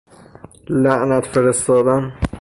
لعنت فرستادن